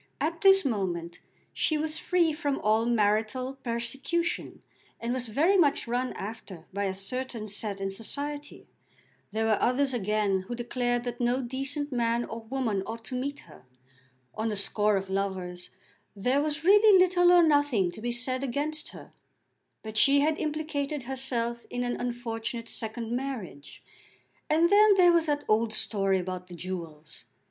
At this moment she was free from all marital persecution, and was very much run after by a certain set in society. There were others again who declared that no decent man or woman ought to meet her. On the score of lovers there was really little or nothing to be said against her; but she had implicated herself in an unfortunate second marriage, and then there was that old story about the jewels!